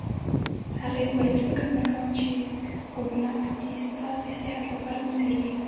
هغه وویل: فکر نه کوم چي کوګناک دي ستا د صحت لپاره مضر وي.